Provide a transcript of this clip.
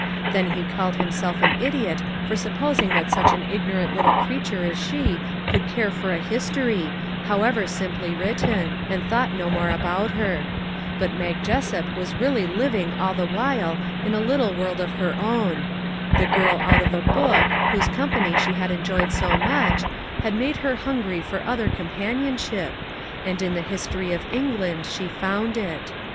Then '39 MAG AND MARGARET he called himself an idiot for supposing that such an ignorant little creature as she could care for a history, however simply written; and thought no more about her. But Mag Jessup was really living all the while in a little world of her own. The " girl out of a book," whose company she had enjoyed so much, had made her hungry for other companionship, and in the History of England she found it.